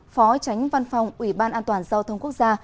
phó tránh văn phòng ủy ban an toàn giao thông quốc gia